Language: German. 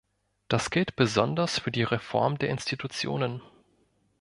Das gilt besonders für die Reform der Institutionen.